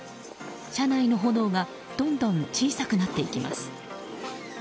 車内の炎がどんどん小さくなっていきます。